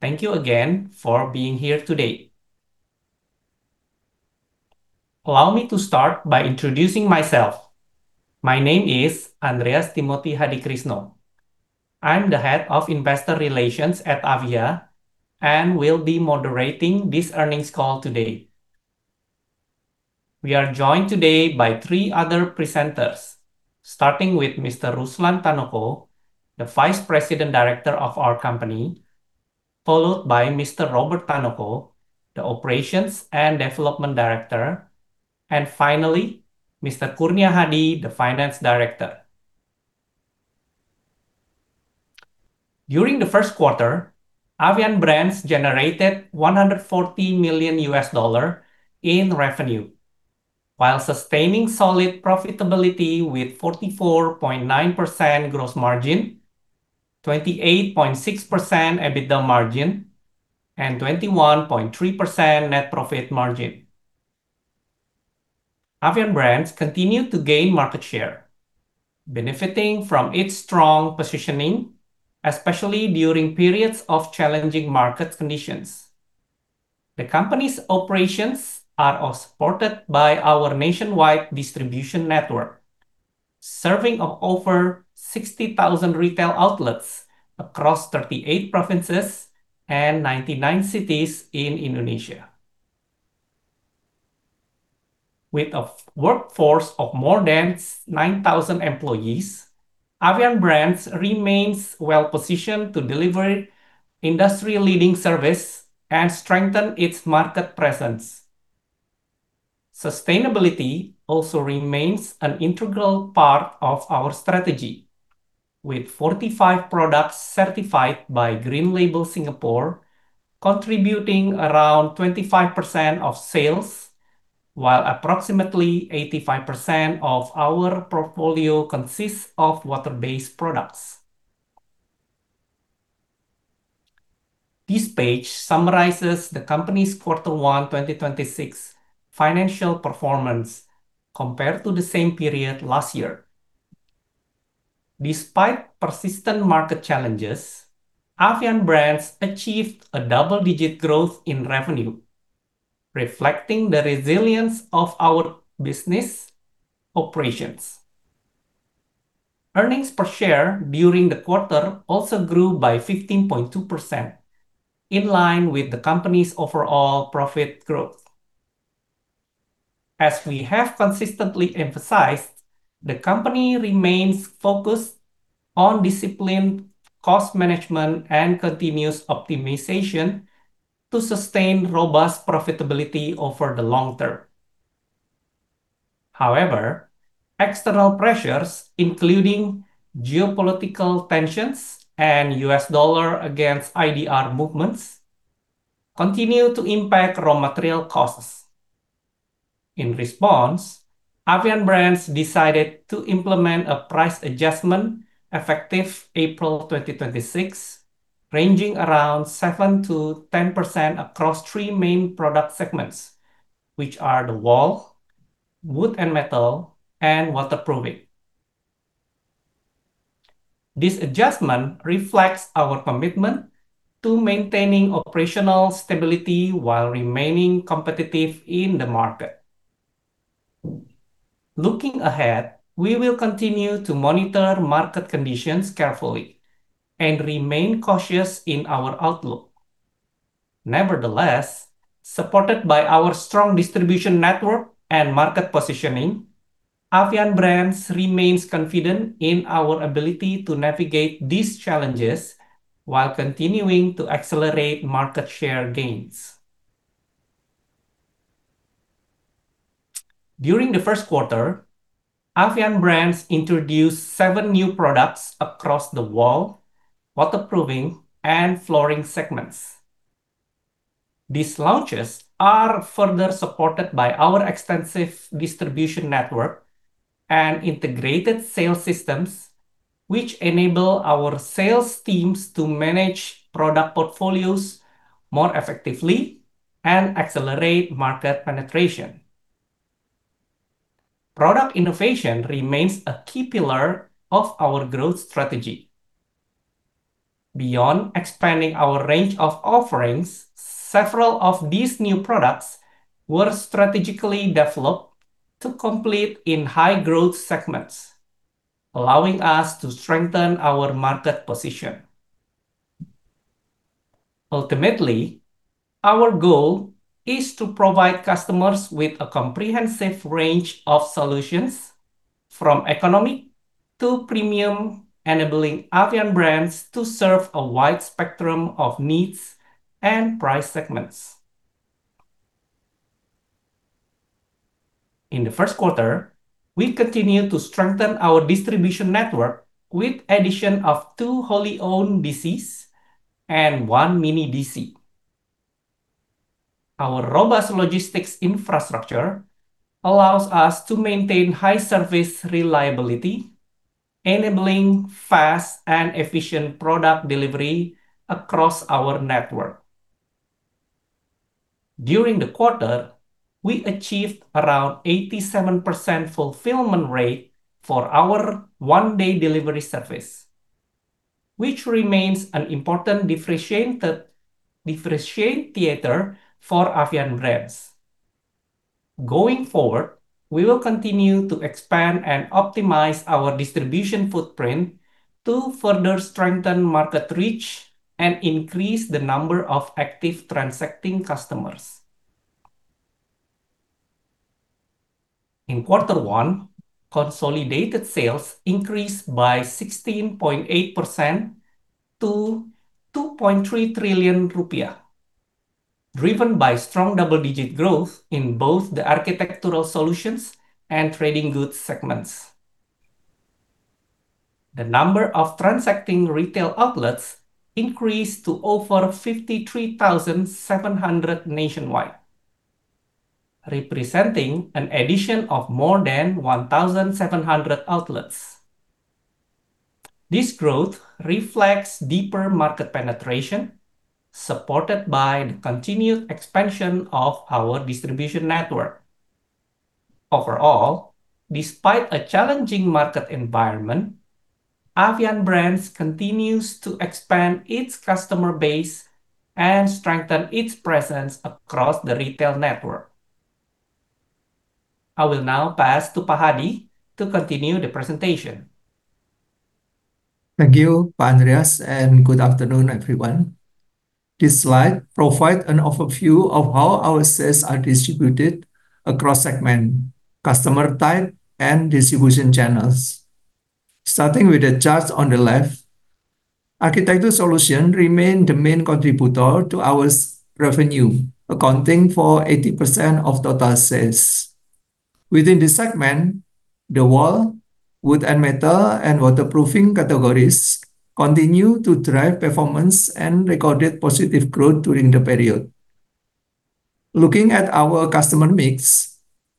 Thank you again for being here today. Allow me to start by introducing myself. My name is Andreas Timothy Hadikrisno. I'm the Head of Investor Relations at Avia and will be moderating this earnings call today. We are joined today by three other presenters, starting with Mr. Ruslan Tanoko, the Vice President Director of our company, followed by Mr. Robert Tanoko, the Operations and Development Director, and finally, Mr. Kurnia Hadi, the Finance Director. During the first quarter, Avian Brands generated $140 million in revenue while sustaining solid profitability with 44.9% gross margin, 28.6% EBITDA margin, and 21.3% net profit margin. Avian Brands continued to gain market share, benefiting from its strong positioning, especially during periods of challenging market conditions. The company's operations are all supported by our nationwide distribution network, serving of over 60,000 retail outlets across 38 provinces and 99 cities in Indonesia. With a workforce of more than 9,000 employees, Avian Brands remains well-positioned to deliver industry-leading service and strengthen its market presence. Sustainability also remains an integral part of our strategy, with 45 products certified by Green Label Singapore contributing around 25% of sales, while approximately 85% of our portfolio consists of water-based products. This page summarizes the company's quarter one 2026 financial performance compared to the same period last year. Despite persistent market challenges, Avian Brands achieved a double-digit growth in revenue, reflecting the resilience of our business operations. Earnings per share during the quarter also grew by 15.2%, in line with the company's overall profit growth. As we have consistently emphasized, the company remains focused on disciplined cost management and continuous optimization to sustain robust profitability over the long term. However, external pressures, including geopolitical tensions and US dollar against IDR movements, continue to impact raw material costs. In response, Avian Brands decided to implement a price adjustment effective April 2026, ranging around 7%-10% across three main product segments, which are the wall, wood and metal, and waterproofing. This adjustment reflects our commitment to maintaining operational stability while remaining competitive in the market. Looking ahead, we will continue to monitor market conditions carefully and remain cautious in our outlook. Nevertheless, supported by our strong distribution network and market positioning, Avian Brands remains confident in our ability to navigate these challenges while continuing to accelerate market share gains. During the first quarter, Avian Brands introduced seven new products across the wall, waterproofing, and flooring segments. These launches are further supported by our extensive distribution network and integrated sales systems, which enable our sales teams to manage product portfolios more effectively and accelerate market penetration. Product innovation remains a key pillar of our growth strategy. Beyond expanding our range of offerings, several of these new products were strategically developed to compete in high-growth segments, allowing us to strengthen our market position. Ultimately, our goal is to provide customers with a comprehensive range of solutions, from economic to premium, enabling Avian Brands to serve a wide spectrum of needs and price segments. In the first quarter, we continued to strengthen our distribution network with addition of two wholly owned DCs and one mini DC. Our robust logistics infrastructure allows us to maintain high service reliability, enabling fast and efficient product delivery across our network. During the quarter, we achieved around 87% fulfillment rate for our one-day delivery service, which remains an important differentiated for Avian Brands. Going forward, we will continue to expand and optimize our distribution footprint to further strengthen market reach and increase the number of active transacting customers. In quarter one, consolidated sales increased by 16.8% to 2.3 trillion rupiah, driven by strong double-digit growth in both the architectural solutions and trading goods segments. The number of transacting retail outlets increased to over 53,700 nationwide, representing an addition of more than 1,700 outlets. This growth reflects deeper market penetration supported by the continued expansion of our distribution network. Overall, despite a challenging market environment, Avian Brands continues to expand its customer base and strengthen its presence across the retail network. I will now pass to Pak Hadi to continue the presentation. Thank you, Pak Andreas, and good afternoon, everyone. This slide provide an overview of how our sales are distributed across segment, customer type, and distribution channels. Starting with the charts on the left, architectural solutions remained the main contributor to our revenue, accounting for 80% of total sales. Within this segment, the wall, wood and metal, and waterproofing categories continue to drive performance and recorded positive growth during the period. Looking at our customer mix,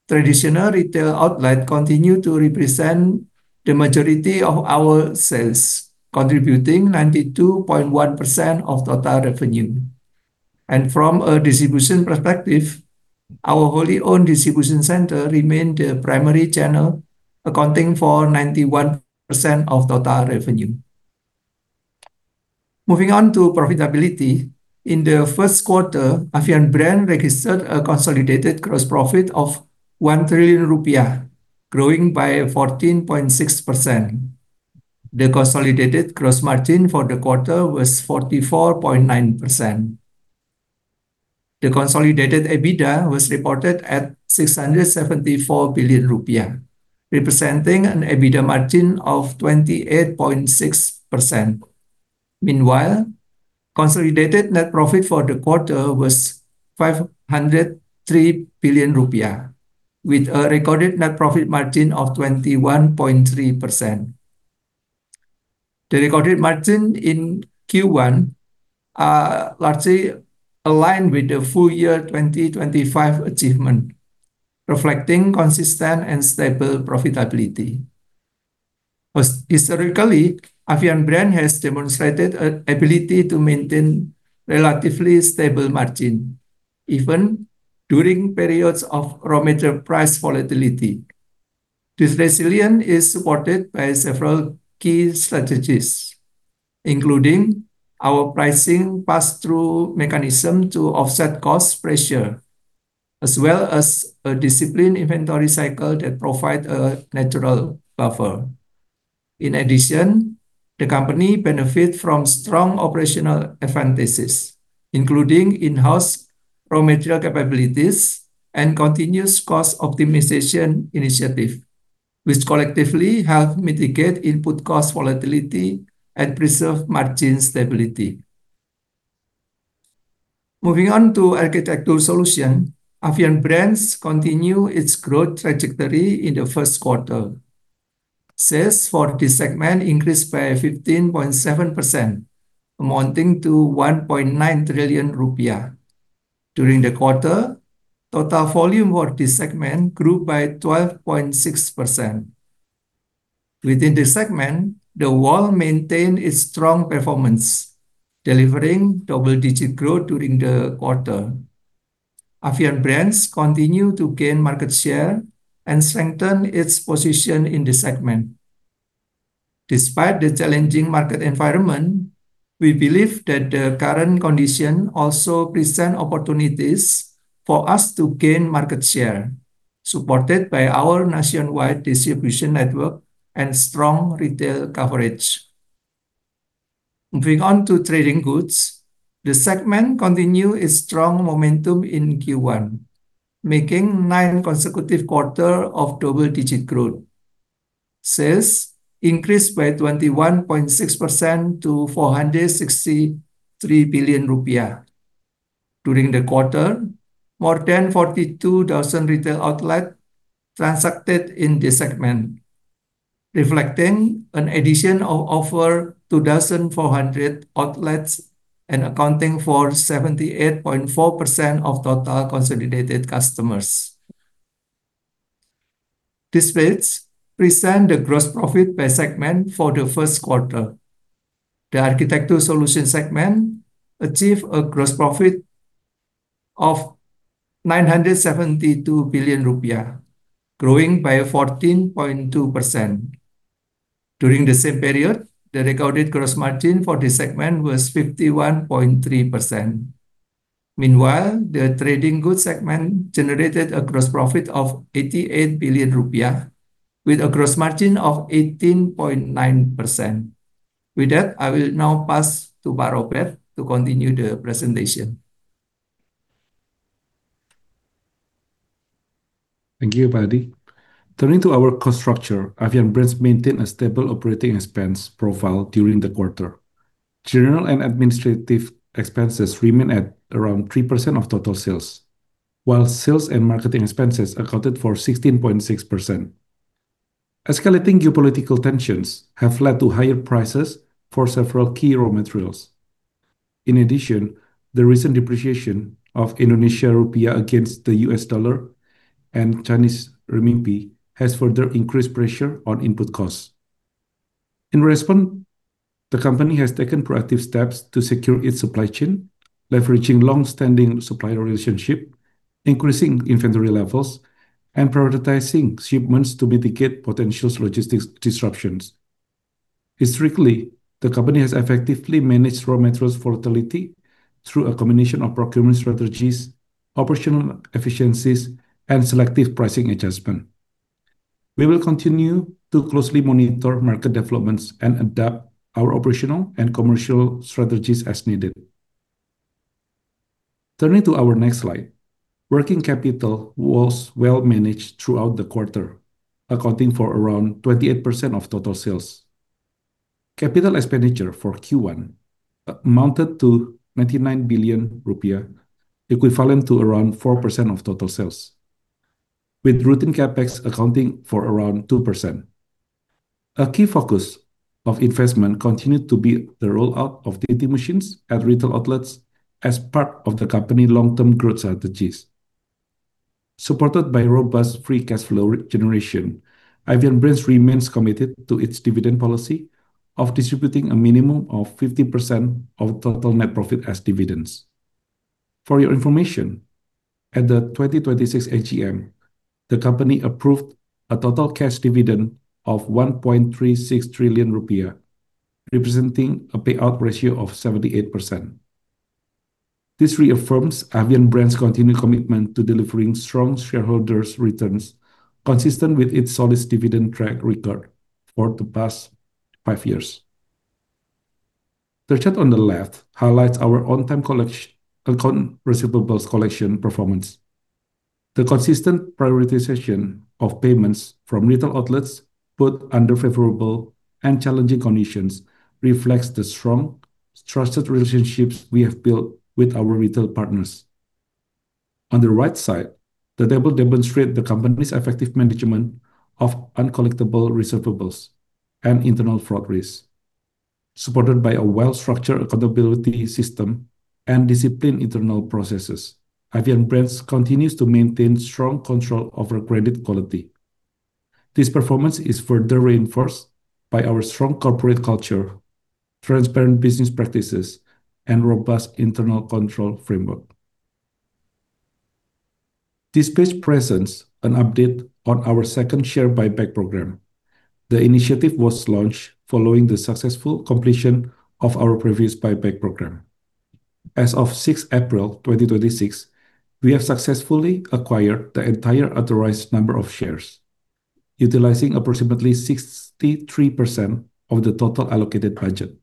traditional retail outlet continue to represent the majority of our sales, contributing 92.1% of total revenue. From a distribution perspective, our wholly owned distribution center remained the primary channel accounting for 91% of total revenue. Moving on to profitability, in the first quarter, Avian Brands registered a consolidated gross profit of 1 trillion rupiah, growing by 14.6%. The consolidated gross margin for the quarter was 44.9%. The consolidated EBITDA was reported at 674 billion rupiah, representing an EBITDA margin of 28.6%. Consolidated net profit for the quarter was 503 billion rupiah, with a recorded net profit margin of 21.3%. The recorded margin in Q1 are largely aligned with the full year 2025 achievement, reflecting consistent and stable profitability. Most historically, Avian Brands has demonstrated an ability to maintain relatively stable margin even during periods of raw material price volatility. This resilience is supported by several key strategies, including our pricing pass-through mechanism to offset cost pressure, as well as a disciplined inventory cycle that provide a natural buffer. In addition, the company benefit from strong operational advantages, including in-house raw material capabilities and continuous cost optimization initiative, which collectively help mitigate input cost volatility and preserve margin stability. Moving on to architectural solutions, Avian Brands continue its growth trajectory in the first quarter. Sales for this segment increased by 15.7%, amounting to 1.9 trillion rupiah. During the quarter, total volume for this segment grew by 12.6%. Within the segment, the wall maintained its strong performance, delivering double-digit growth during the quarter. Avian Brands continue to gain market share and strengthen its position in the segment. Despite the challenging market environment, we believe that the current condition also present opportunities for us to gain market share, supported by our nationwide distribution network and strong retail coverage. Moving on to trading goods, the segment continued its strong momentum in Q1, making nine consecutive quarters of double-digit growth. Sales increased by 21.6% to 463 billion rupiah. During the quarter, more than 42,000 retail outlets transacted in this segment, reflecting an addition of over 2,400 outlets and accounting for 78.4% of total consolidated customers. This page presents the gross profit by segment for the first quarter. The architectural solutions segment achieved a gross profit of 972 billion rupiah, growing by 14.2%. During the same period, the recorded gross margin for this segment was 51.3%. The trading goods segment generated a gross profit of 88 billion rupiah with a gross margin of 18.9%. I will now pass to Pak Robert to continue the presentation. Thank you, [Pak] Hadi. Turning to our cost structure, Avian Brands maintained a stable operating expense profile during the quarter. General and administrative expenses remain at around 3% of total sales, while sales and marketing expenses accounted for 16.6%. Escalating geopolitical tensions have led to higher prices for several key raw materials. In addition, the recent depreciation of Indonesia rupiah against the US dollar and Chinese renminbi has further increased pressure on input costs. In response, the company has taken proactive steps to secure its supply chain, leveraging long-standing supplier relationship, increasing inventory levels, and prioritizing shipments to mitigate potential logistics disruptions. Historically, the company has effectively managed raw materials volatility through a combination of procurement strategies, operational efficiencies, and selective pricing adjustment. We will continue to closely monitor market developments and adapt our operational and commercial strategies as needed. Turning to our next slide, working capital was well managed throughout the quarter, accounting for around 28% of total sales. Capital expenditure for Q1 amounted to 99 billion rupiah, equivalent to around 4% of total sales, with routine CapEx accounting for around 2%. A key focus of investment continued to be the rollout of the tinting machines at retail outlets as part of the company long-term growth strategies. Supported by robust free cash flow generation, Avian Brands remains committed to its dividend policy of distributing a minimum of 50% of total net profit as dividends. For your information, at the 2026 AGM, the company approved a total cash dividend of 1.36 trillion rupiah, representing a payout ratio of 78%. This reaffirms Avian Brands' continued commitment to delivering strong shareholders' returns consistent with its solid dividend track record for the past five years. The chart on the left highlights our on-time account receivables collection performance. The consistent prioritization of payments from retail outlets, both under favorable and challenging conditions, reflects the strong trusted relationships we have built with our retail partners. On the right side, the table demonstrate the company's effective management of uncollectible receivables and internal fraud risk. Supported by a well-structured accountability system and disciplined internal processes, Avian Brands continues to maintain strong control over credit quality. This performance is further reinforced by our strong corporate culture, transparent business practices, and robust internal control framework. This page presents an update on our second share buyback program. The initiative was launched following the successful completion of our previous buyback program. As of 6th April 2026, we have successfully acquired the entire authorized number of shares, utilizing approximately 63% of the total allocated budget.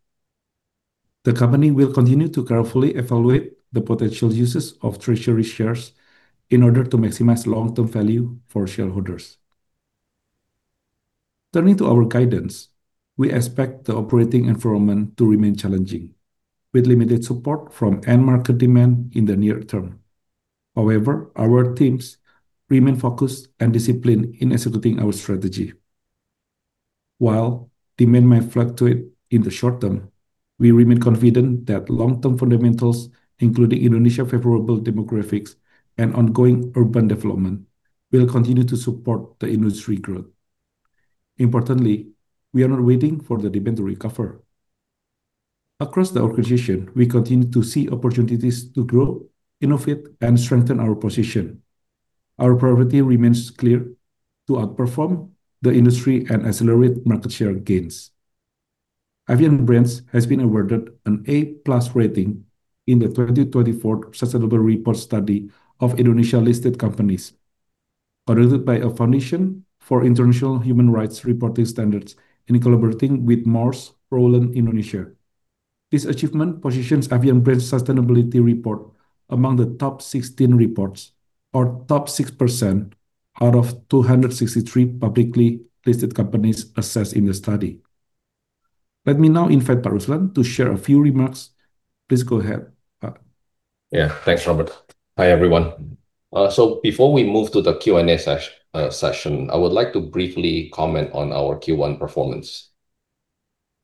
The company will continue to carefully evaluate the potential uses of treasury shares in order to maximize long-term value for shareholders. Turning to our guidance, we expect the operating environment to remain challenging, with limited support from end market demand in the near term. However, our teams remain focused and disciplined in executing our strategy. While demand may fluctuate in the short term, we remain confident that long-term fundamentals, including Indonesia favorable demographics and ongoing urban development, will continue to support the industry growth. Importantly, we are not waiting for the demand to recover. Across the organization, we continue to see opportunities to grow, innovate, and strengthen our position. Our priority remains clear: to outperform the industry and accelerate market share gains. Avian Brands has been awarded an A-plus rating in the 2024 sustainable report study of Indonesia-listed companies, audited by a Foundation for International Human Rights Reporting Standards in collaborating with Moores Rowland Indonesia. This achievement positions Avian Brands sustainability report among the top 16 reports or top 6% out of 263 publicly listed companies assessed in the study. Let me now invite Ruslan to share a few remarks. Please go ahead, Pak. Yeah. Thanks, Robert. Hi, everyone. Before we move to the Q&A session, I would like to briefly comment on our Q1 performance.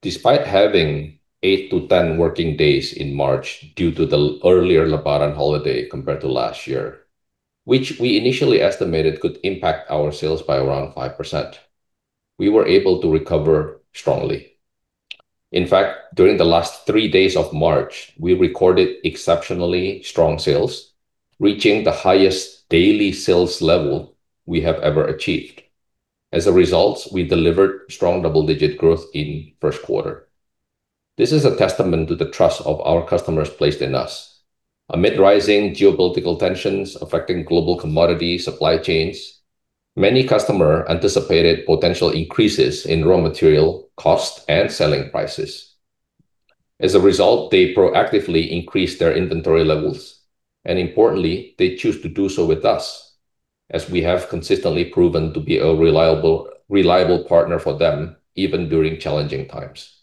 Despite having eight to 10 working days in March due to the earlier Lebaran holiday compared to last year, which we initially estimated could impact our sales by around 5%, we were able to recover strongly. In fact, during the last three days of March, we recorded exceptionally strong sales, reaching the highest daily sales level we have ever achieved. As a result, we delivered strong double-digit growth in first quarter. This is a testament to the trust of our customers placed in us. Amid rising geopolitical tensions affecting global commodity supply chains, many customer anticipated potential increases in raw material costs and selling prices. They proactively increased their inventory levels, and importantly, they choose to do so with us as we have consistently proven to be a reliable partner for them even during challenging times.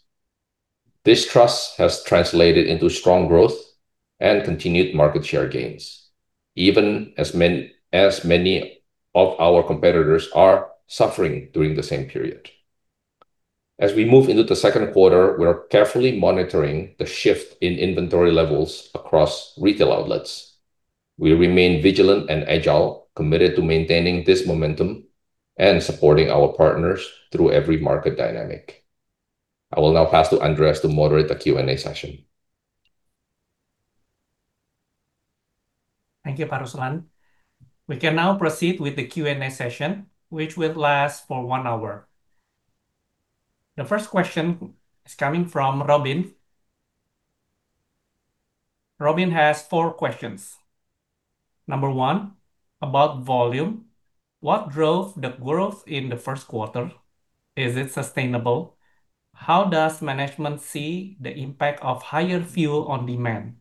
This trust has translated into strong growth and continued market share gains, even as many of our competitors are suffering during the same period. As we move into the second quarter, we are carefully monitoring the shift in inventory levels across retail outlets. We remain vigilant and agile, committed to maintaining this momentum and supporting our partners through every market dynamic. I will now pass to Andreas to moderate the Q&A session. Thank you, Pak Ruslan. We can now proceed with the Q&A session, which will last for one hour. The first question is coming from Robin. Robin has four questions. Number one, about volume, what drove the growth in the first quarter? Is it sustainable? How does management see the impact of higher fuel on demand?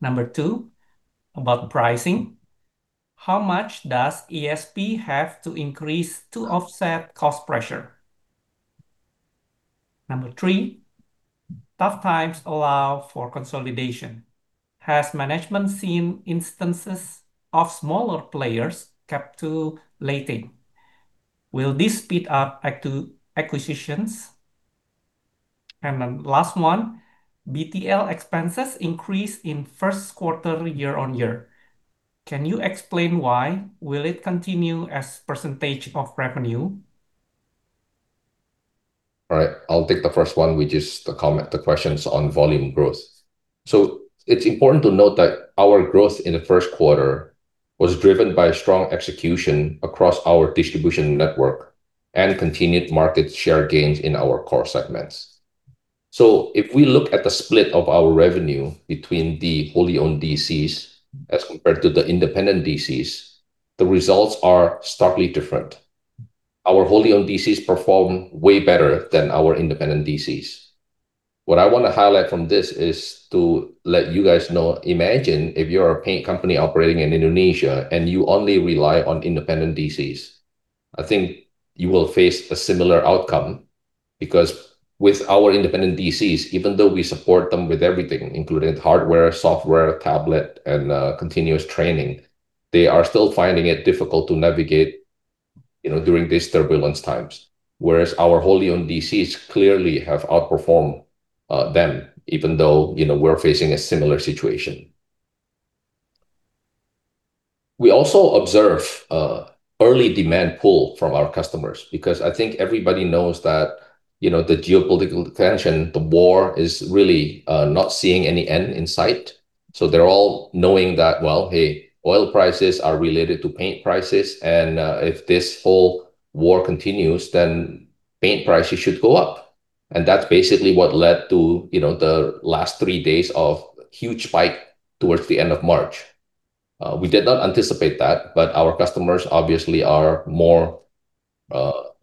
Number two, about pricing, how much does ASP have to increase to offset cost pressure? Number three, tough times allow for consolidation. Has management seen instances of smaller players capitulating? Will this speed up acquisitions? Last one, BTL expenses increase in first quarter year-on-year. Can you explain why? Will it continue as percentage of revenue? All right, I'll take the first one, which is the comment, the questions on volume growth. It's important to note that our growth in the first quarter was driven by strong execution across our distribution network and continued market share gains in our core segments. If we look at the split of our revenue between the wholly owned DCs as compared to the independent DCs, the results are starkly different. Our wholly owned DCs perform way better than our independent DCs. What I want to highlight from this is to let you guys know, imagine if you're a paint company operating in Indonesia, and you only rely on independent DCs. I think you will face a similar outcome because with our independent DCs, even though we support them with everything, including hardware, software, tablet, and continuous training, they are still finding it difficult to navigate, you know, during these turbulence times. Our wholly owned DCs clearly have outperformed them, even though, you know, we're facing a similar situation. We also observe early demand pull from our customers because I think everybody knows that, you know, the geopolitical tension, the war is really not seeing any end in sight. They're all knowing that, well, hey, oil prices are related to paint prices, and if this whole war continues, then paint prices should go up. That's basically what led to, you know, the last three days of huge spike towards the end of March. We did not anticipate that, but our customers obviously are more,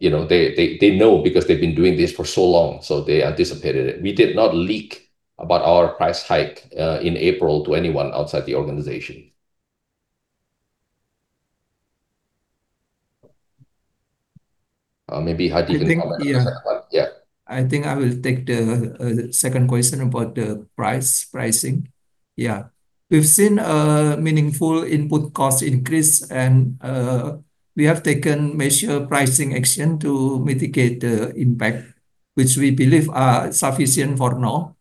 you know. They know because they've been doing this for so long, so they anticipated it. We did not leak about our price hike in April to anyone outside the organization. Maybe Hadi can comment on the second one. I think, yeah. Yeah. I think I will take the second question about the price, pricing. Yeah. We've seen a meaningful input cost increase, and we have taken measure pricing action to mitigate the impact, which we believe are sufficient for now.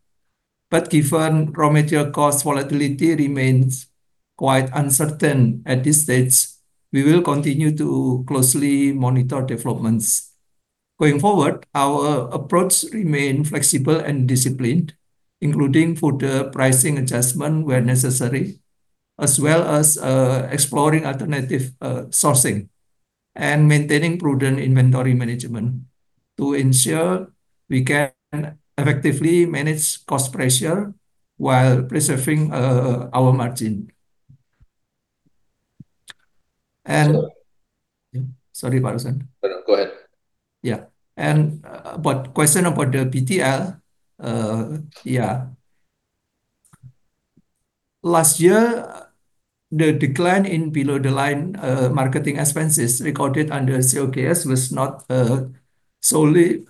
Given raw material cost volatility remains quite uncertain at this stage, we will continue to closely monitor developments. Going forward, our approach remain flexible and disciplined, including further pricing adjustment where necessary, as well as exploring alternative sourcing and maintaining prudent inventory management to ensure we can effectively manage cost pressure while preserving our margin. Sorry, Pak Ruslan. No, no, go ahead. Yeah. About question about the BTL. Last year, the decline in below-the-line marketing expenses recorded under COGS was not solely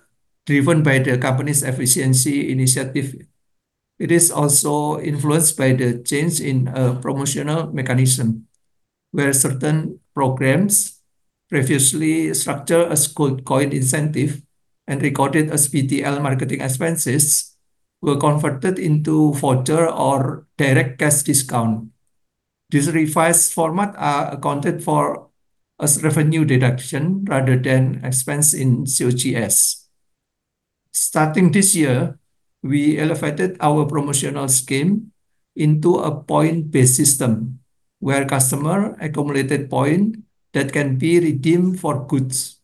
driven by the company's efficiency initiative. It is also influenced by the change in promotional mechanism where certain programs previously structured as co-op incentive and recorded as BTL marketing expenses were converted into voucher or direct cash discount. This revised format are accounted for as revenue deduction rather than expense in COGS. Starting this year, we elevated our promotional scheme into a point-based system where customer accumulated point that can be redeemed for goods.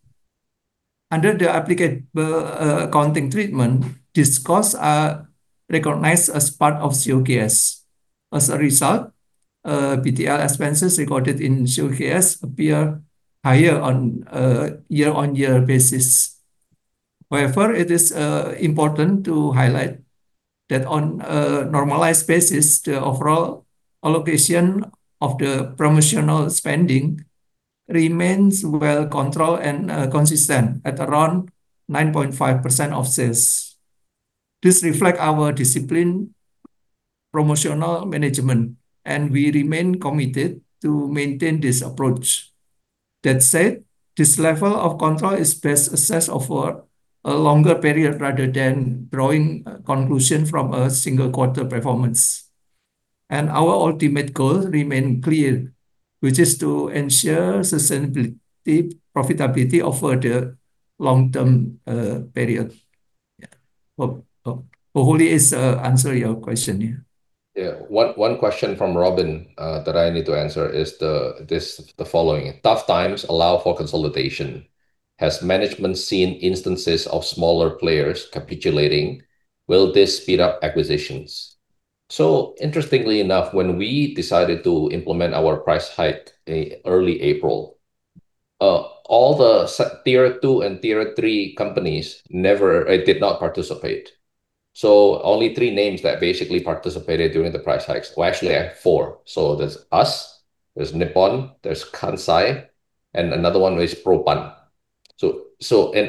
Under the applicable accounting treatment, discuss recognize as part of COGS. As a result, BTL expenses recorded in COGS appear higher on a year-on-year basis. It is important to highlight that on a normalized basis, the overall allocation of the promotional spending remains well controlled and consistent at around 9.5% of sales. This reflect our discipline promotional management, and we remain committed to maintain this approach. That said, this level of control is best assessed over a longer period rather than drawing conclusion from a single quarter performance. Our ultimate goal remain clear, which is to ensure sustainability, profitability over the long-term period. Hope hopefully this answer your question. Yeah. One question from Robin that I need to answer is the following: Tough times allow for consolidation. Has management seen instances of smaller players capitulating? Will this speed up acquisitions? Interestingly enough, when we decided to implement our price hike early April, all the tier two and tier three companies did not participate. Only three names that basically participated during the price hikes. Well, actually, four. There's us, there's Nippon, there's Kansai, and another one was Propan.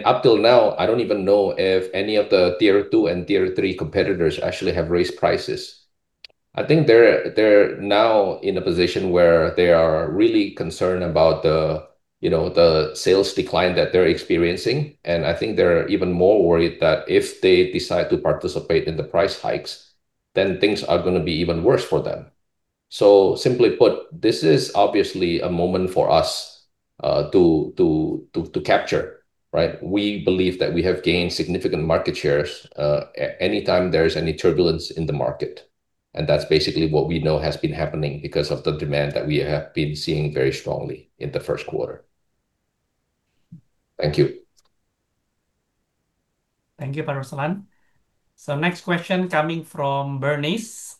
Up till now, I don't even know if any of the tier two and tier three competitors actually have raised prices. I think they're now in a position where they are really concerned about the, you know, the sales decline that they're experiencing. I think they're even more worried that if they decide to participate in the price hikes, then things are gonna be even worse for them. Simply put, this is obviously a moment for us to capture, right? We believe that we have gained significant market shares anytime there is any turbulence in the market, and that's basically what we know has been happening because of the demand that we have been seeing very strongly in the first quarter. Thank you. Thank you, Pak Ruslan. Next question coming from Bernice.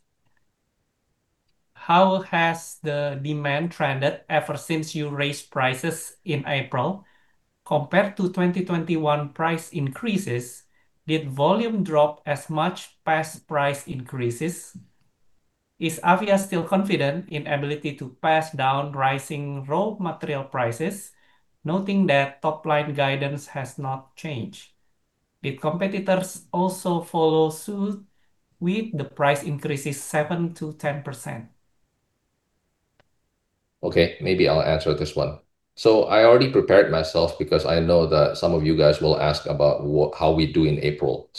How has the demand trended ever since you raised prices in April compared to 2021 price increases? Did volume drop as much past price increases? Is Avia still confident in ability to pass down rising raw material prices, noting that top-line guidance has not changed? Did competitors also follow suit with the price increases 7% to 10%? Maybe I'll answer this one. I already prepared myself because I know that some of you guys will ask about how we do in April.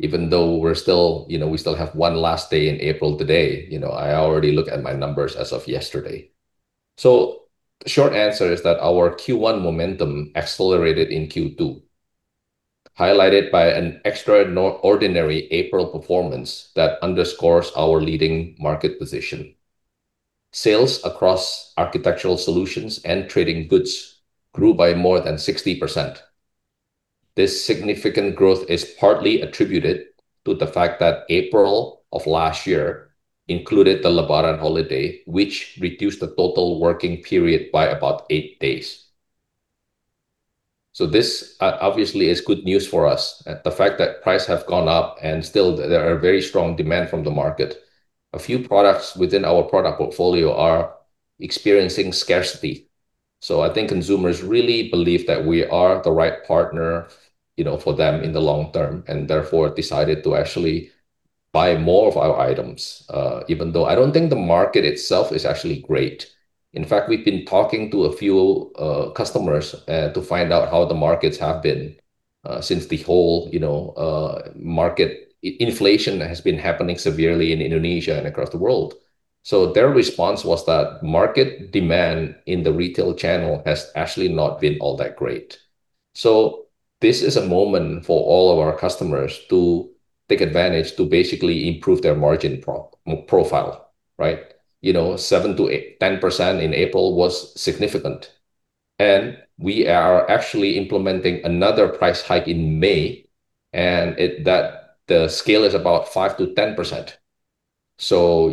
Even though we're still, you know, we still have one last day in April today, you know, I already look at my numbers as of yesterday. Short answer is that our Q1 momentum accelerated in Q2, highlighted by an extraordinary April performance that underscores our leading market position. Sales across architectural solutions and trading goods grew by more than 60%. This significant growth is partly attributed to the fact that April of last year included the Lebaran holiday, which reduced the total working period by about eight days. This obviously is good news for us, the fact that price have gone up and still there are very strong demand from the market. A few products within our product portfolio are experiencing scarcity. I think consumers really believe that we are the right partner, you know, for them in the long term, and therefore decided to actually buy more of our items, even though I don't think the market itself is actually great. In fact we've been talking to a few customers to find out how the markets have been since the whole, you know, market inflation has been happening severely in Indonesia and across the world. Their response was that market demand in the retail channel has actually not been all that great. This is a moment for all of our customers to take advantage to basically improve their margin profile, right? You know, 7%-10% in April was significant. We are actually implementing another price hike in May, that the scale is about 5%-10%.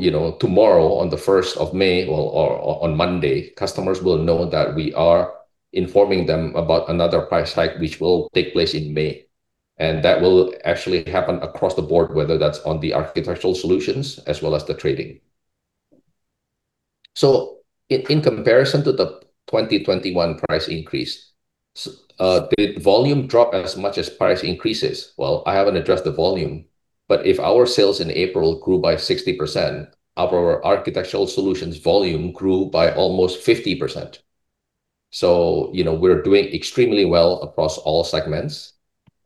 You know, tomorrow on the 1st of May or on Monday, customers will know that we are informing them about another price hike, which will take place in May. That will actually happen across the board, whether that's on the architectural solutions as well as the trading. In comparison to the 2021 price increase, did volume drop as much as price increases? Well, I haven't addressed the volume. If our sales in April grew by 60%, our architectural solutions volume grew by almost 50%. You know, we're doing extremely well across all segments,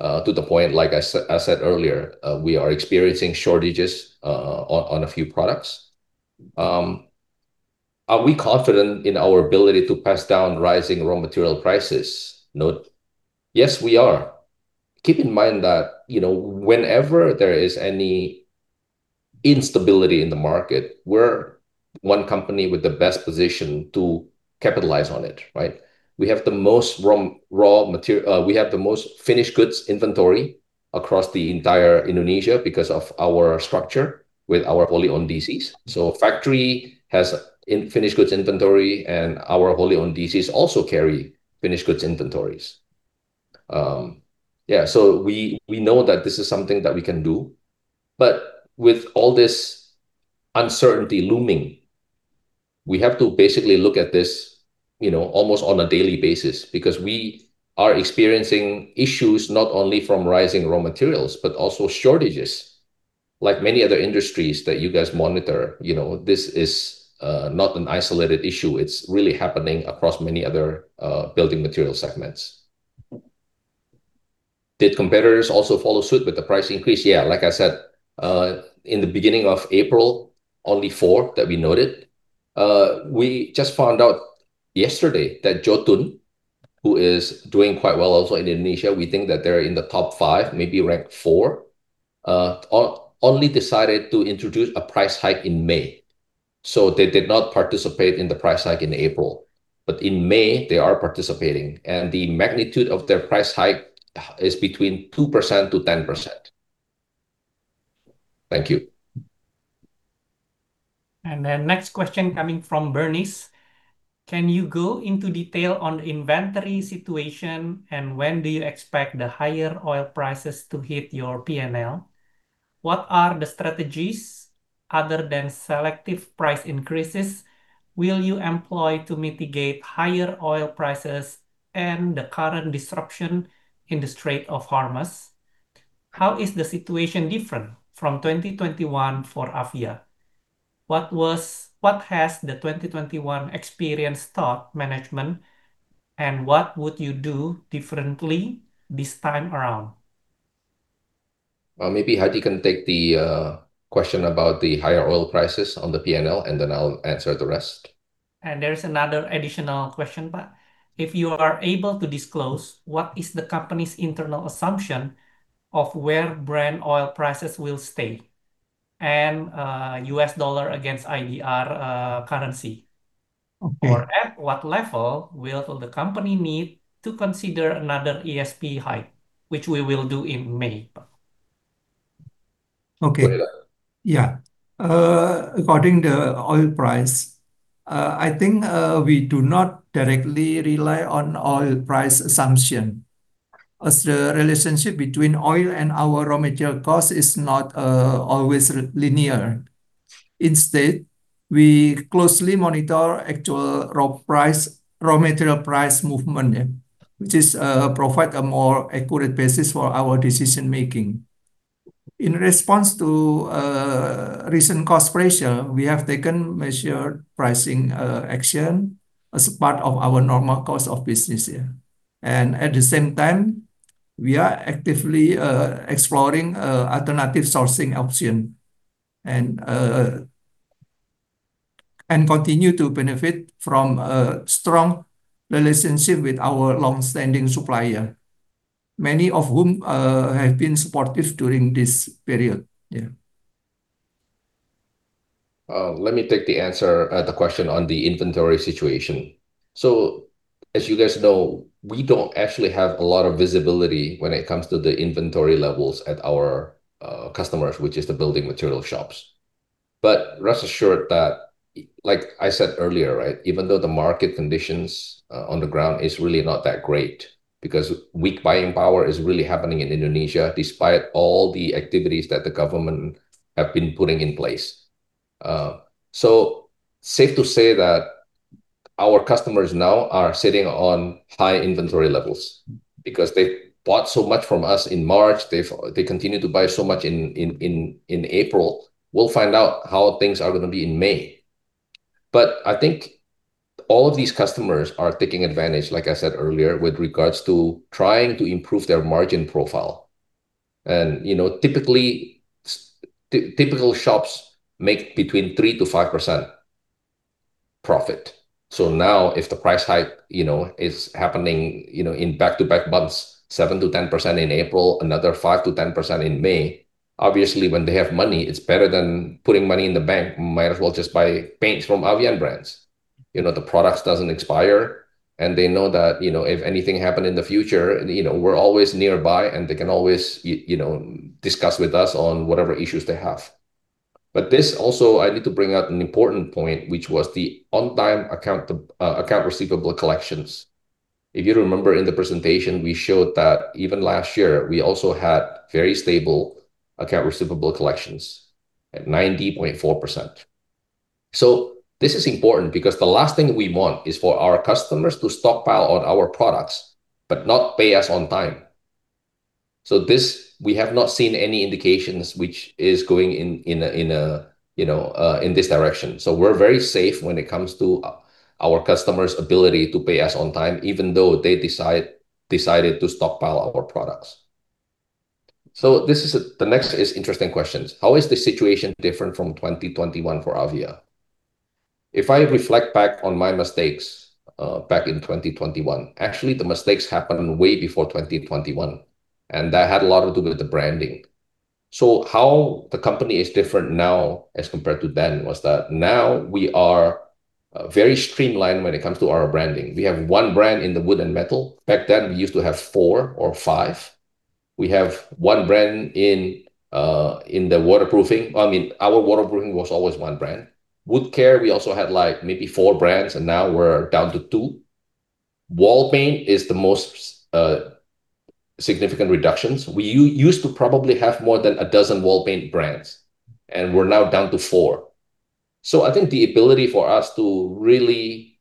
to the point, like I said earlier, we are experiencing shortages on a few products. Are we confident in our ability to pass down rising raw material prices, Note? Yes, we are. Keep in mind that, you know, whenever there is any instability in the market, we're one company with the best position to capitalize on it, right? We have the most finished goods inventory across the entire Indonesia because of our structure with our wholly owned DCs. Factory has finished goods inventory, and our wholly owned DCs also carry finished goods inventories. Yeah, we know that this is something that we can do. With all this uncertainty looming, we have to basically look at this, you know, almost on a daily basis because we are experiencing issues not only from rising raw materials, but also shortages. Like many other industries that you guys monitor, you know, this is not an isolated issue. It's really happening across many other building material segments. Did competitors also follow suit with the price increase? Yeah, like I said, in the beginning of April, only four that we noted. We just found out yesterday that Jotun, who is doing quite well also in Indonesia, we think that they're in the top five, maybe ranked four, only decided to introduce a price hike in May, so they did not participate in the price hike in April. In May, they are participating, and the magnitude of their price hike is between 2%-10%. Thank you. Next question coming from Bernice, "Can you go into detail on inventory situation, and when do you expect the higher oil prices to hit your P&L? What are the strategies other than selective price increases will you employ to mitigate higher oil prices and the current disruption in the Strait of Hormuz? How is the situation different from 2021 for Avia? What has the 2021 experience taught management, and what would you do differently this time around?" Well, maybe Hadi can take the question about the higher oil prices on the P&L, and then I'll answer the rest. There's another additional question, Pak. If you are able to disclose what is the company's internal assumption of where Brent oil prices will stay and US dollar against IDR. Okay. At what level will the company need to consider another ASP hike, which we will do in May, Pak. Okay. Kurnia. Yeah. Regarding the oil price, I think we do not directly rely on oil price assumption as the relationship between oil and our raw material cost is not always linear. Instead, we closely monitor actual raw price, raw material price movement, yeah, which is, provide a more accurate basis for our decision-making. In response to recent cost pressure, we have taken measured pricing action as part of our normal course of business, yeah. At the same time, we are actively exploring alternative sourcing option and continue to benefit from a strong relationship with our longstanding supplier, many of whom have been supportive during this period. Yeah. Let me take the answer, the question on the inventory situation. As you guys know, we don't actually have a lot of visibility when it comes to the inventory levels at our customers, which is the building material shops. Rest assured that like I said earlier, right, even though the market conditions on the ground is really not that great because weak buying power is really happening in Indonesia despite all the activities that the government have been putting in place. Safe to say that our customers now are sitting on high inventory levels because they bought so much from us in March. They continue to buy so much in April. We'll find out how things are gonna be in May. I think all of these customers are taking advantage, like I said earlier, with regards to trying to improve their margin profile. You know, typically typical shops make between 3%-5% profit. Now if the price hike, you know, is happening, you know, in back-to-back months, 7% to 10% in April, another 5% to 10% in May, obviously when they have money, it's better than putting money in the bank, might as well just buy paints from Avian Brands. You know, the products doesn't expire, and they know that, you know, if anything happen in the future, you know, we're always nearby, and they can always you know, discuss with us on whatever issues they have. This also I need to bring out an important point, which was the on time account receivable collections. If you remember in the presentation, we showed that even last year we also had very stable accounts receivable collections at 90.4%. This is important because the last thing we want is for our customers to stockpile on our products, but not pay us on time. This, we have not seen any indications which is going in a, in a, you know, in this direction. We're very safe when it comes to our customers' ability to pay us on time, even though they decided to stockpile our products. This is a. The next is interesting questions. How is the situation different from 2021 for Avia? If I reflect back on my mistakes, back in 2021, actually the mistakes happened way before 2021, and that had a lot to do with the branding. How the company is different now as compared to then was that now we are very streamlined when it comes to our branding. We have one brand in the wood and metal paint. Back then, we used to have four or five. We have one brand in the waterproofing paint. I mean, our waterproofing paint was always one brand. Wood care, we also had, like, maybe four brands, and now we're down to two. Wall paint is the most significant reductions. We used to probably have more than a dozen wall paint brands, and we're now down to four. I think the ability for us to really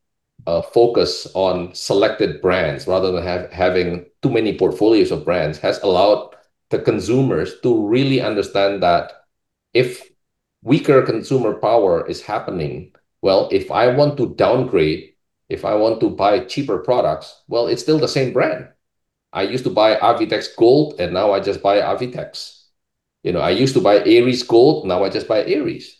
focus on selected brands rather than having too many portfolios of brands has allowed the consumers to really understand that if weaker consumer power is happening, well, if I want to downgrade, if I want to buy cheaper products, well, it's still the same brand. I used to buy Avitex Gold, and now I just buy Avitex. You know, I used to buy Aries Gold, now I just buy Aries.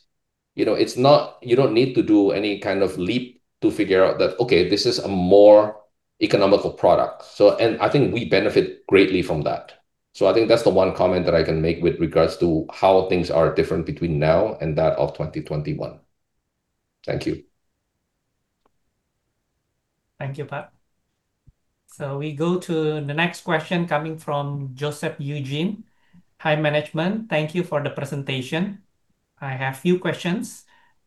You know, it's not. You don't need to do any kind of leap to figure out that, okay, this is a more economical product. And I think we benefit greatly from that. I think that's the one comment that I can make with regards to how things are different between now and that of 2021. Thank you. Thank you, Pak. We go to the next question coming from Joseph Eugene. Hi, management. Thank you for the presentation. I have few questions.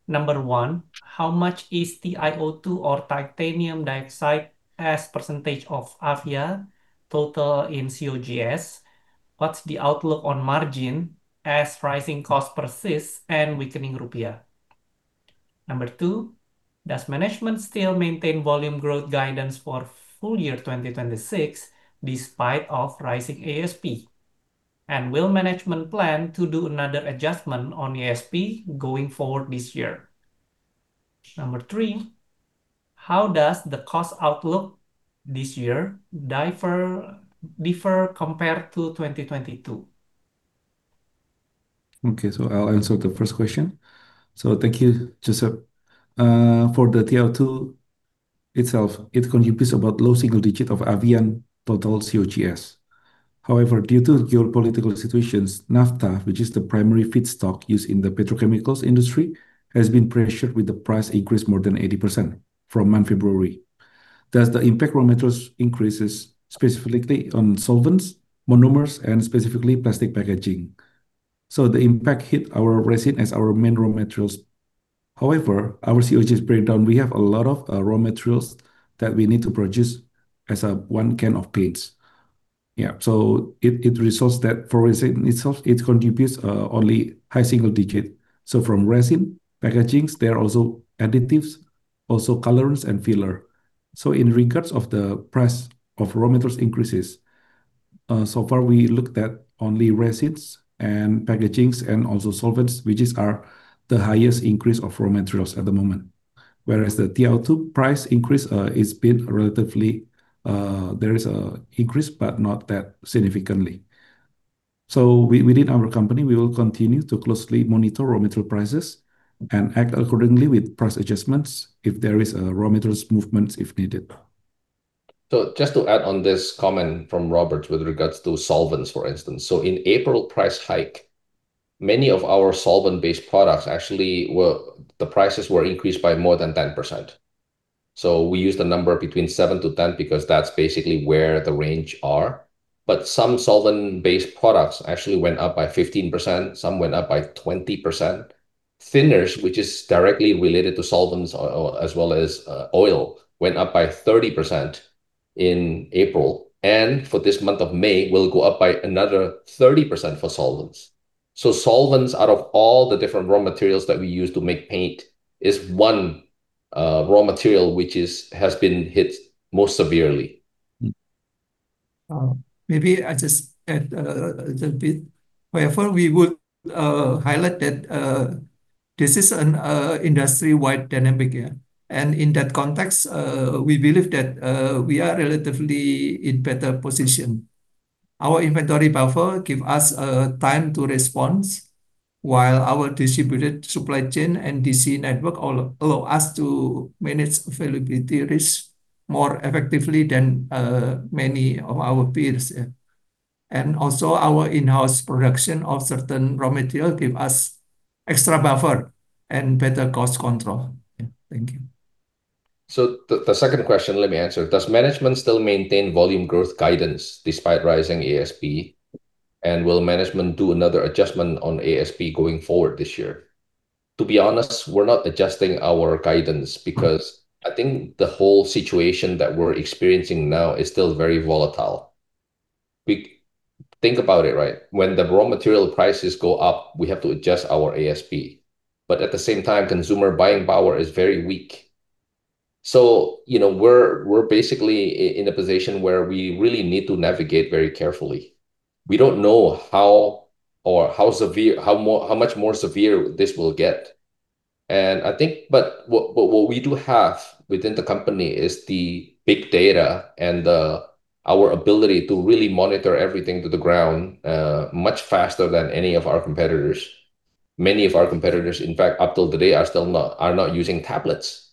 Number one, how much is TiO2 or titanium dioxide as percentage of Avia total in COGS? What's the outlook on margin as rising cost persists and weakening rupiah? Number two, does management still maintain volume growth guidance for full year 2026 despite of rising ASP? Will management plan to do another adjustment on ASP going forward this year? Number three, how does the cost outlook this year differ compared to 2022? I'll answer the first question. Thank you, Joseph. For the TiO2 itself, it contributes about low single-digit of Avia total COGS. Due to geopolitical situations, naphtha, which is the primary feedstock used in the petrochemicals industry, has been pressured with the price increase more than 80% from month February. The impact raw materials increases specifically on solvents, monomers, and specifically plastic packaging. The impact hit our resin as our main raw materials. Our COGS breakdown, we have a lot of raw materials that we need to produce as one can of paints. Yeah, it results that for resin itself, it contributes only high single-digit. From resin, packagings, there are also additives, also colorants and filler. In regards of the price of raw materials increases, so far we looked at only resins and packagings and also solvents, which are the highest increase of raw materials at the moment. Whereas the TiO2 price increase is been relatively, there is a increase, but not that significantly. Within our company, we will continue to closely monitor raw material prices and act accordingly with price adjustments if there is a raw materials movement if needed. Just to add on this comment from Robert with regards to solvents, for instance. In April price hike, many of our solvent-based products, the prices were increased by more than 10%. We use the number between 7%-10% because that's basically where the range are. Some solvent-based products actually went up by 15%, some went up by 20%. Thinners, which is directly related to solvents or as well as oil, went up by 30% in April. For this month of May, will go up by another 30% for solvents. Solvents, out of all the different raw materials that we use to make paint, is one raw material which has been hit most severely. Maybe I just add a little bit. We would highlight that this is an industry-wide dynamic. In that context, we believe that we are relatively in better position. Our inventory buffer give us time to respond, while our distributed supply chain and DC network allow us to manage availability risk more effectively than many of our peers. Also our in-house production of certain raw material give us extra buffer and better cost control. Thank you. The second question, let me answer. Does management still maintain volume growth guidance despite rising ASP? Will management do another adjustment on ASP going forward this year? To be honest, we're not adjusting our guidance because I think the whole situation that we're experiencing now is still very volatile. We think about it, right? When the raw material prices go up, we have to adjust our ASP. At the same time, consumer buying power is very weak. You know, we're basically in a position where we really need to navigate very carefully. We don't know how or how severe, how much more severe this will get. I think what we do have within the company is the big data and our ability to really monitor everything to the ground much faster than any of our competitors. Many of our competitors, in fact, up till today are still not using tablets.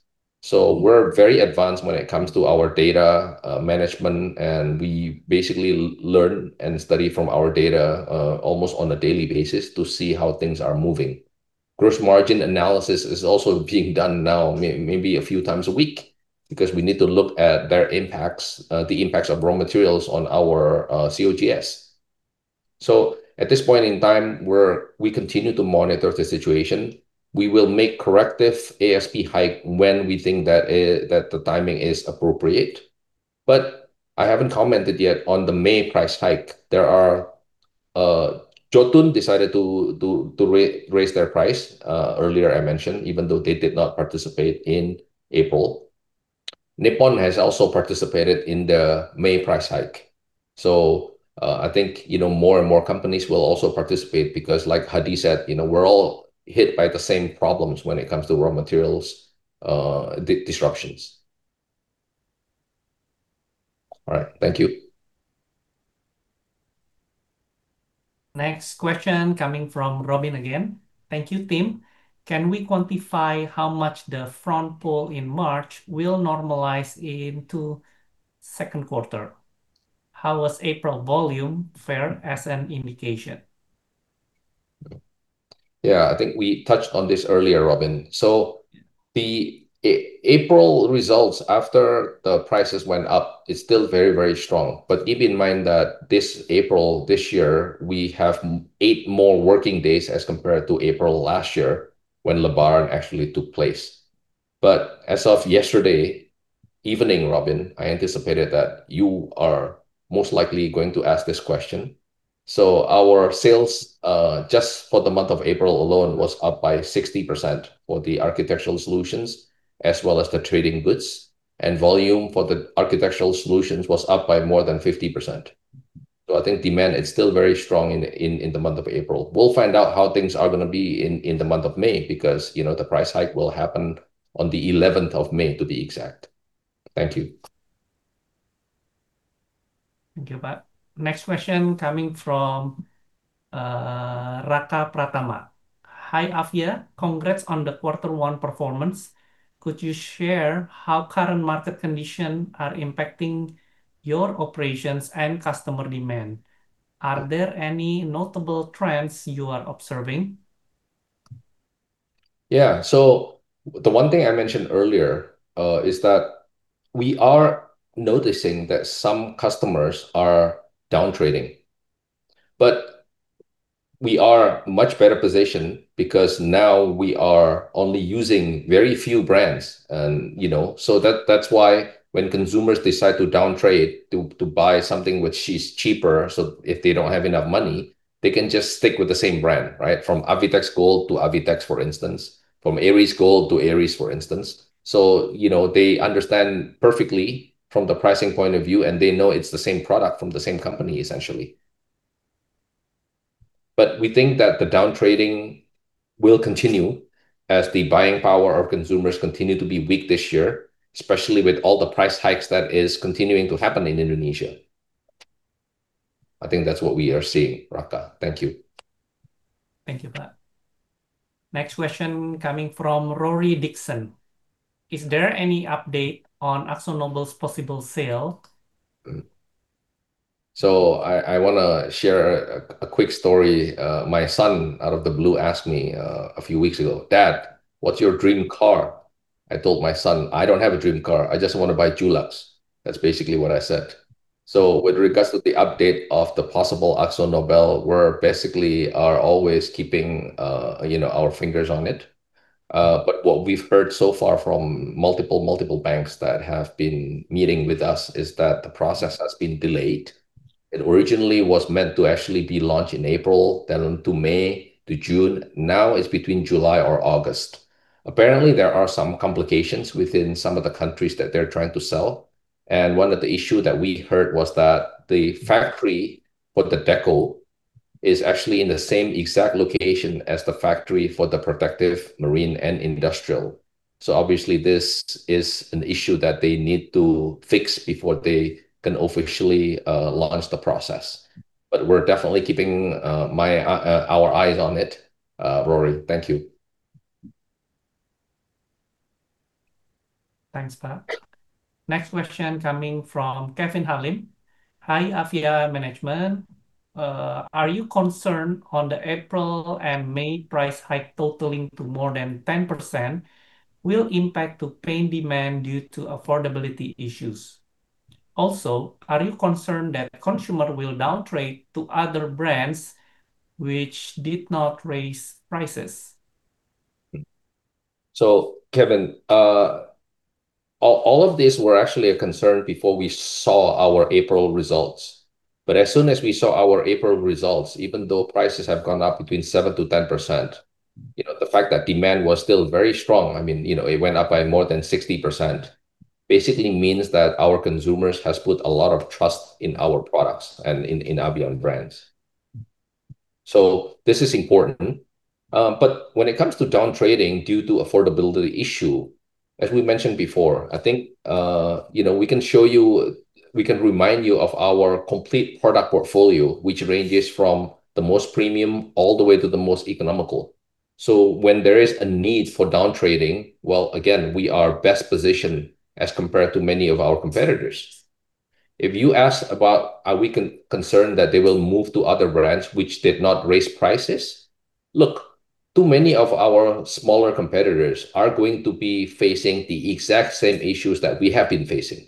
We're very advanced when it comes to our data management, and we basically learn and study from our data almost on a daily basis to see how things are moving. Gross margin analysis is also being done now maybe a few times a week because we need to look at their impacts, the impacts of raw materials on our COGS. At this point in time, we continue to monitor the situation. We will make corrective ASP hike when we think that the timing is appropriate. I haven't commented yet on the May price hike. Jotun decided to raise their price earlier I mentioned, even though they did not participate in April. Nippon has also participated in the May price hike. I think, you know, more and more companies will also participate because like Hadi said, you know, we're all hit by the same problems when it comes to raw materials, disruptions. All right. Thank you. Next question coming from Robin again. Thank you, Team. Can we quantify how much the front pull in March will normalize into second quarter? How was April volume fare as an indication? Yeah, I think we touched on this earlier, Robin. The April results after the prices went up is still very strong. Keep in mind that this April, this year, we have eight more working days as compared to April last year when Lebaran actually took place. As of yesterday evening, Robin, I anticipated that you are most likely going to ask this question. Our sales, just for the month of April alone was up by 60% for the architectural solutions as well as the trading goods, and volume for the architectural solutions was up by more than 50%. I think demand is still very strong in the month of April. We'll find out how things are gonna be in the month of May because, you know, the price hike will happen on the 11th of May, to be exact. Thank you. Thank you, Pak. Next question coming from Raka Pratama. Hi, Avia. Congrats on the quarter one performance. Could you share how current market conditions are impacting your operations and customer demand? Are there any notable trends you are observing? Yeah. The one thing I mentioned earlier, is that we are noticing that some customers are downtrading. We are much better positioned because now we are only using very few brands, and, you know. That, that's why when consumers decide to downtrade to buy something which is cheaper, so if they don't have enough money, they can just stick with the same brand, right? From Avitex Gold to Avitex, for instance. From Aries Gold to Aries, for instance. You know, they understand perfectly from the pricing point of view, and they know it's the same product from the same company, essentially. We think that the downtrading will continue as the buying power of consumers continue to be weak this year, especially with all the price hikes that is continuing to happen in Indonesia. I think that's what we are seeing, Raka. Thank you. Thank you, Pak. Next question coming from Rory Dixon. Is there any update on AkzoNobel's possible sale? I want to share a quick story. My son out of the blue asked me a few weeks ago, "Dad, what's your dream car?" I told my son, "I don't have a dream car. I just want to buy Dulux." That's basically what I said. With regards to the update of the possible AkzoNobel, we're basically are always keeping, you know, our fingers on it. What we've heard so far from multiple banks that have been meeting with us is that the process has been delayed. It originally was meant to actually be launched in April, then to May, to June. Now it's between July or August. Apparently, there are some complications within some of the countries that they're trying to sell, and one of the issue that we heard was that the factory for the deco is actually in the same exact location as the factory for the protective marine and industrial. Obviously this is an issue that they need to fix before they can officially launch the process. We're definitely keeping our eyes on it, Rory. Thank you. Thanks, Pak. Next question coming from Kevin Halim. Hi, Avia management. Are you concerned on the April and May price hike totaling to more than 10% will impact the paint demand due to affordability issues? Also, are you concerned that consumer will downtrade to other brands which did not raise prices? Kevin, All of these were actually a concern before we saw our April results. As soon as we saw our April results, even though prices have gone up between 7%-10%, you know, the fact that demand was still very strong, I mean, you know, it went up by more than 60%, basically means that our consumers has put a lot of trust in our products and in Avian Brands. This is important. When it comes to downtrading due to affordability issue, as we mentioned before, I think, you know, we can show you. We can remind you of our complete product portfolio, which ranges from the most premium all the way to the most economical. When there is a need for downtrading, well, again, we are best positioned as compared to many of our competitors. If you ask about are we concerned that they will move to other brands which did not raise prices, look, too many of our smaller competitors are going to be facing the exact same issues that we have been facing.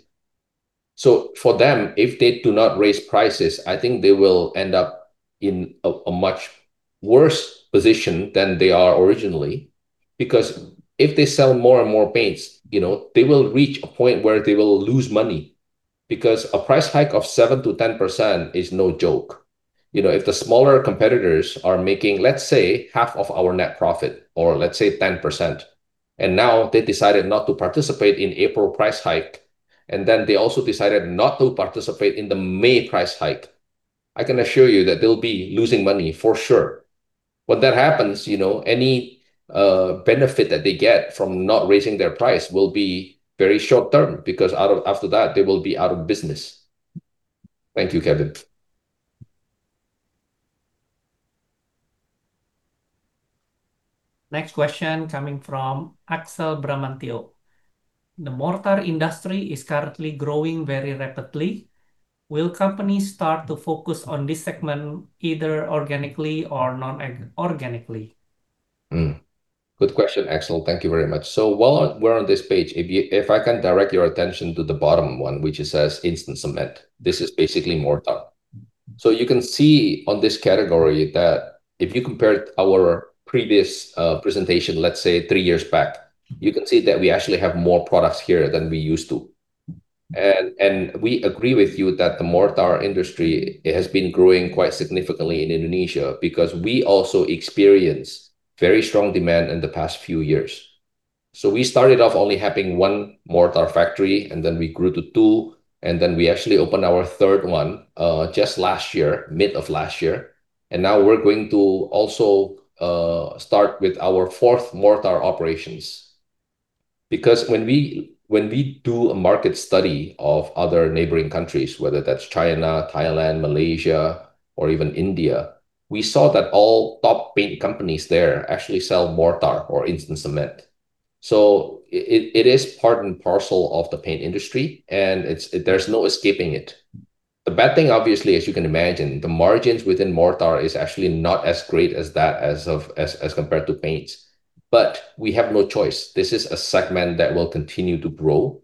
For them, if they do not raise prices, I think they will end up in a much worse position than they are originally because if they sell more and more paints, you know, they will reach a point where they will lose money because a price hike of 7%-10% is no joke. You know, if the smaller competitors are making, let's say, half of our net profit, or let's say 10%, and now they decided not to participate in April price hike, and then they also decided not to participate in the May price hike, I can assure you that they'll be losing money for sure. When that happens, you know, any benefit that they get from not raising their price will be very short-term because after that, they will be out of business. Thank you, Kevin. Next question coming from Axel Bramantyo. The mortar industry is currently growing very rapidly. Will companies start to focus on this segment either organically or non-organically? Good question, Axel. Thank you very much. If I can direct your attention to the bottom one, which it says Instant Cement. This is basically mortar. You can see on this category that if you compare our previous presentation, let's say three years back, you can see that we actually have more products here than we used to. We agree with you that the mortar industry has been growing quite significantly in Indonesia because we also experienced very strong demand in the past few years. We started off only having one mortar factory, and then we grew to two, and then we actually opened our third one just last year, mid of last year, and now we're going to also start with our fourth mortar operations. When we do a market study of other neighboring countries, whether that's China, Thailand, Malaysia, or even India, we saw that all top paint companies there actually sell mortar or Instant Cement. It is part and parcel of the paint industry. There's no escaping it. The bad thing, obviously, as you can imagine, the margins within mortar is actually not as great as that compared to paints, but we have no choice. This is a segment that will continue to grow,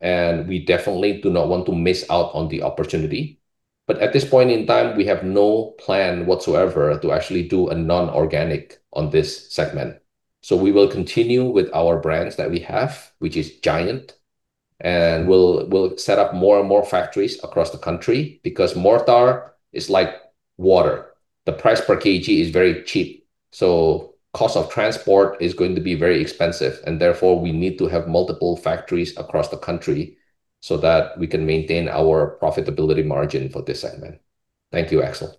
and we definitely do not want to miss out on the opportunity. At this point in time, we have no plan whatsoever to actually do a non-organic on this segment. We will continue with our brands that we have, which is Avian, and we'll set up more and more factories across the country because mortar is like water. The price per kg is very cheap, so cost of transport is going to be very expensive, and therefore we need to have multiple factories across the country so that we can maintain our profitability margin for this segment. Thank you, Axel.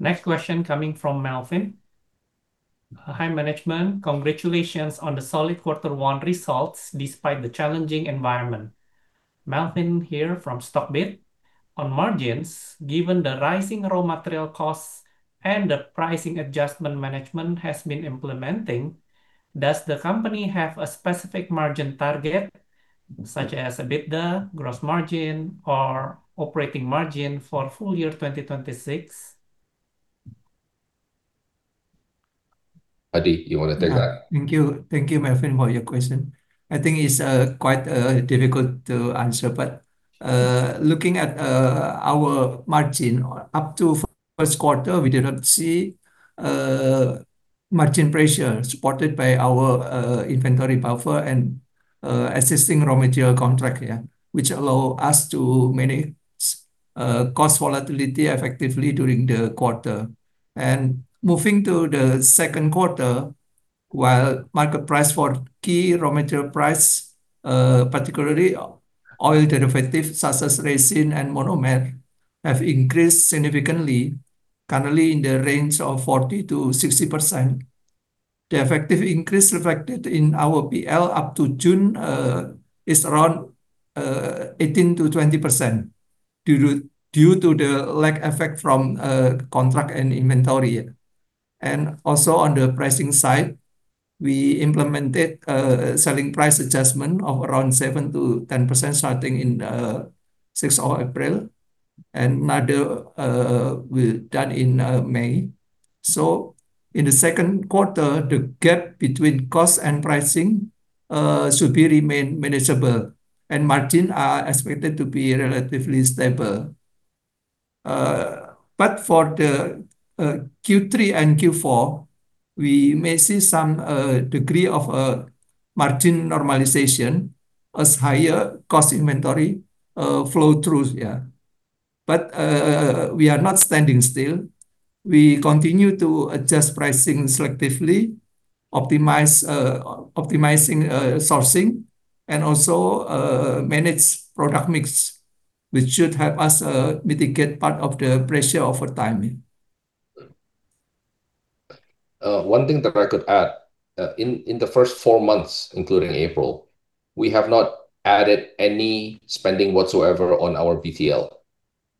Next question coming from Melvin. Hi, management. Congratulations on the solid quarter one results despite the challenging environment. Melvin here from Stockbit. On margins, given the rising raw material costs and the pricing adjustment management has been implementing, does the company have a specific margin target such as EBITDA, gross margin, or operating margin for full year 2026? Hadi, you want to take that? Thank you. Thank you, Melvin, for your question. I think it's quite difficult to answer, but looking at our margin up to first quarter, we did not see margin pressure supported by our inventory buffer and assisting raw material contract here, which allow us to manage cost volatility effectively during the quarter. Moving to the second quarter, while market price for key raw material price, particularly oil derivative such as resin and monomer, have increased significantly, currently in the range of 40%-60%. The effective increase reflected in our P&L up to June, is around 18%-20% due to the lag effect from contract and inventory. Also on the pricing side, we implemented a selling price adjustment of around 7% to 10% starting in, 6th of April, and another, we done in, May. In the second quarter, the gap between cost and pricing should be remain manageable, and margin are expected to be relatively stable. But for the Q3 and Q4, we may see some degree of margin normalization as higher cost inventory flow through here. We are not standing still. We continue to adjust pricing selectively, optimizing sourcing, and also manage product mix, which should help us mitigate part of the pressure over time. One thing that I could add, in the first four months, including April, we have not added any spending whatsoever on our BTL.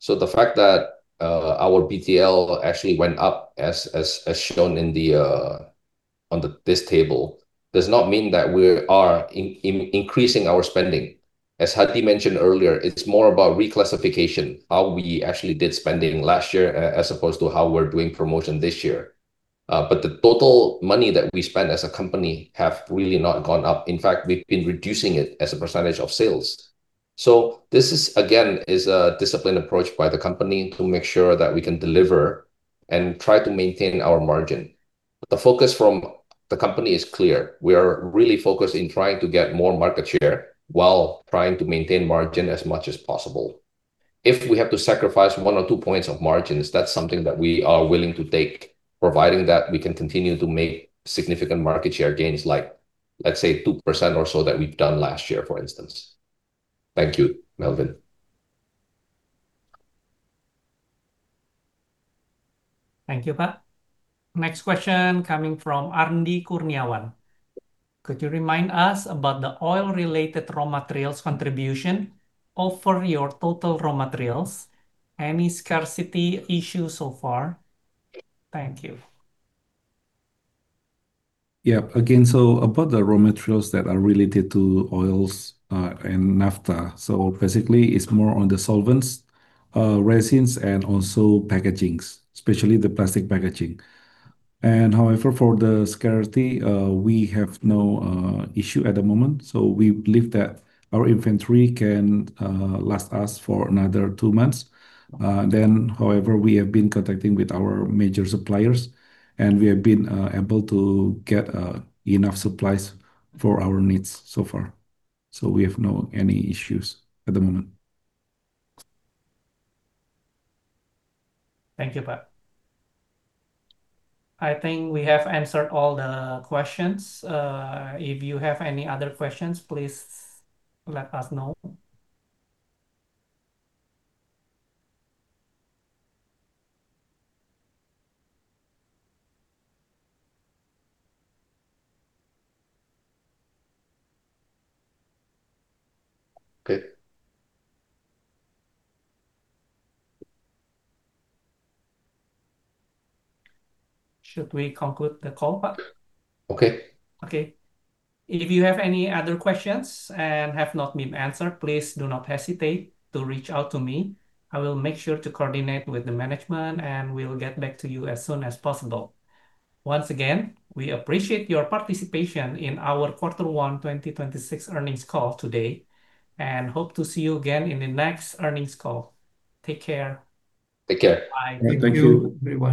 The fact that our BTL actually went up as shown on this table does not mean that we are increasing our spending. As Hadi mentioned earlier, it's more about reclassification, how we actually did spending last year, as opposed to how we're doing promotion this year. The total money that we spend as a company have really not gone up. In fact, we've been reducing it as a percentage of sales. This is again, is a disciplined approach by the company to make sure that we can deliver and try to maintain our margin. The focus from the company is clear. We are really focused in trying to get more market share while trying to maintain margin as much as possible. If we have to sacrifice 1 or 2 points of margins, that's something that we are willing to take, providing that we can continue to make significant market share gains, like, let's say, 2% or so that we've done last year, for instance. Thank you, Melvin. Thank you, Pak. Next question coming from Andy Kurniawan. Could you remind us about the oil-related raw materials contribution over your total raw materials? Any scarcity issue so far? Thank you. Yeah. Again, about the raw materials that are related to oils and naphtha. Basically, it's more on the solvents, resins, and also packagings, especially the plastic packaging. However, for the scarcity, we have no issue at the moment, so we believe that our inventory can last us for another two months. However, we have been contacting with our major suppliers, and we have been able to get enough supplies for our needs so far. We have no any issues at the moment. Thank you, Pak. I think we have answered all the questions. If you have any other questions, please let us know. Okay. Should we conclude the call, Pak? Okay. Okay. If you have any other questions and have not been answered, please do not hesitate to reach out to me. I will make sure to coordinate with the management, and we'll get back to you as soon as possible. Once again, we appreciate your participation in our quarter one 2026 earnings call today and hope to see you again in the next earnings call. Take care. Take care. Bye. Thank you. Thank you, everyone.